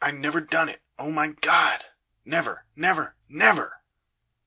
I never done it! Oh, my God! never never never!"